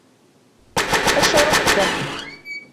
اشعر بالذنب.